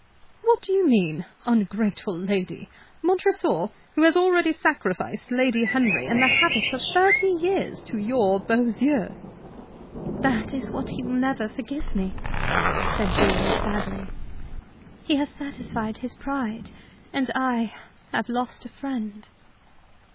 "What do you mean? Ungrateful lady! Montresor! who has already sacrificed Lady Henry and the habits of thirty years to your beaux yeux!" "That is what he will never forgive me," said Julie, sadly. "He has satisfied his pride, and I have lost a friend."